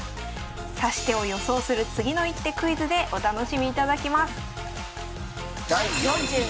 指し手を予想する「次の一手クイズ」でお楽しみいただきます。